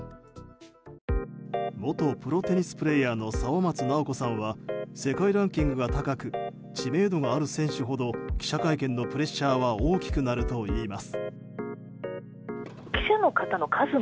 元プロテニスプレーヤーの沢松奈生子さんは世界ランキングが高く知名度のある選手ほど記者会見のプレッシャーは大きくなるといいます。